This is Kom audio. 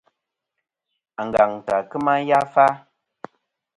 Angantɨ à kema yafa.